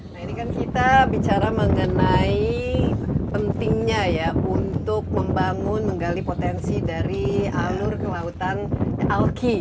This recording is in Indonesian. nah ini kan kita bicara mengenai pentingnya ya untuk membangun menggali potensi dari alur kelautan alki